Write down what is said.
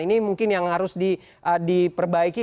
ini mungkin yang harus diperbaiki